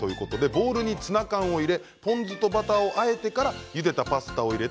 ボウルにツナ缶を入れポン酢とバターをあえてからゆでたパスタを入れ